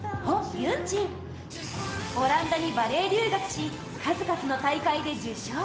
ユンジンオランダにバレエ留学し数々の大会で受賞